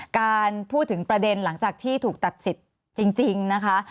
การพูดถึงประเด็นหลังจากที่ถูกตัดสิทธิ์จริงนะคะ